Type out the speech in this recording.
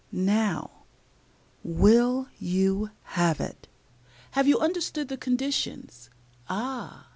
Now, will you have it? Have you understood the conditions?" "Ah!"